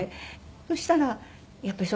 そしたらやっぱり。